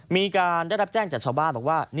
มีการได้รับแจ้งจากชาวบ้านบอกว่า